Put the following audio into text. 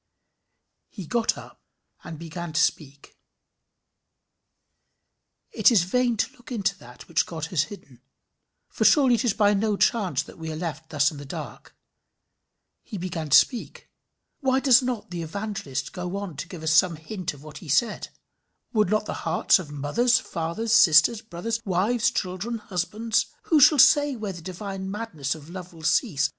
"] He sat up and began to speak. It is vain to look into that which God has hidden; for surely it is by no chance that we are left thus in the dark. "He began to speak." Why does not the Evangelist go on to give us some hint of what he said? Would not the hearts of mothers, fathers, sisters, brothers, wives, children, husbands who shall say where the divine madness of love will cease?